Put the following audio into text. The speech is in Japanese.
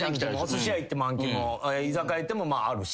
おすし屋行ってもあん肝居酒屋行ってもあるし。